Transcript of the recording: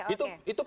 itu poin politiknya